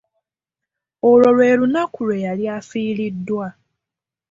Olwo lwe lunaku lwe yali afiiridwa.